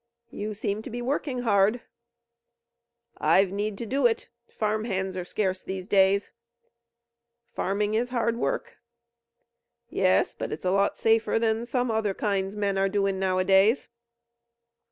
"You seem to be working hard." "I've need to do it. Farm hands are scarce these days." "Farming is hard work." "Yes; but it's a lot safer than some other kinds men are doin' nowadays."